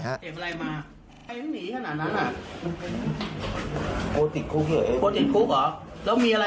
เศษมาเยอะไหมอย่าบ้า